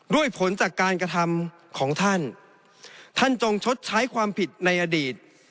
ด้วยผลจากการกระทำของท่านท่านจงชดใช้ความผิดในอดีต